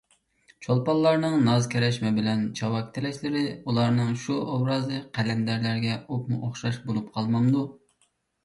چولپانلارنىڭ ناز ـ كەرەشمە بىلەن چاۋاك تىلەشلىرى، ئۇلارنىڭ شۇ ئوبرازى قەلەندەرلەرگە ئوپمۇئوخشاش بولۇپ قالمامدۇ!